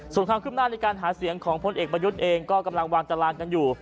ส่วนความขึ้นหน้าในการหาเสียงของพลเอกประยุทธ์เองก็กำลังวางตารางกันอยู่